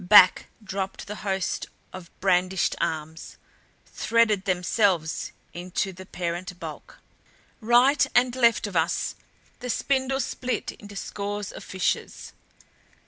Back dropped the host of brandished arms, threaded themselves into the parent bulk. Right and left of us the spindle split into scores of fissures.